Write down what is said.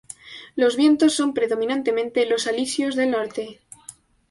Los vientos son predominantemente los alisios del norte.